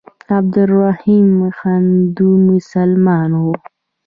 عبدالرحمن هندو مسلمان وو.